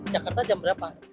jakarta jam berapa